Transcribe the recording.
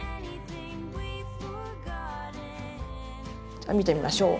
じゃあ見てみましょう。